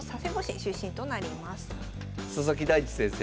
佐々木大地先生。